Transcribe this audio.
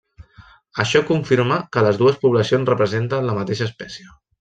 Això confirma que les dues poblacions representen la mateixa espècie.